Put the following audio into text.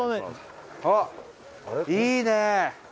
あっいいね